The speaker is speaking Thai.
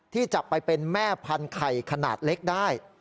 ที่จะไปเป็นแม่พันธุ์ไข่ขนาดเล็กได้